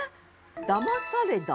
「だまされだ」？